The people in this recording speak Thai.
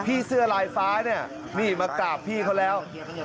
เสื้อลายฟ้าเนี่ยนี่มากราบพี่เขาแล้ว